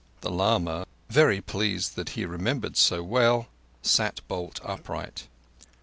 The lama—very pleased that he remembered so well—sat bolt upright.